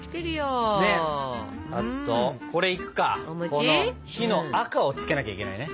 この「日」の赤をつけなきゃいけないね。